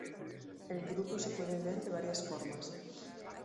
El grupo se puede ver de varias formas.